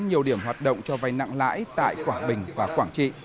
nhiều điểm hoạt động cho vay nặng lãi tại quảng bình và quảng trị